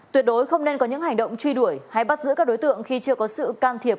tuyệt đối không nên có những hành động truy đuổi hay bắt giữ các đối tượng khi chưa có sự can thiệp